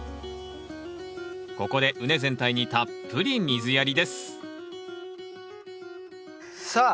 ここで畝全体にたっぷり水やりですさあ